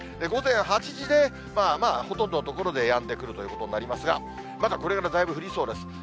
午前８時でまあまあ、ほとんどの所でやんでくるということになりますが、まだこれからだいぶ降りそうです。